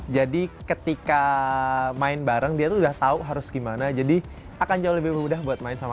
jadi ketika main bareng dia tuh udah tahu harus gimana jadi akan jauh lebih mudah buat main sama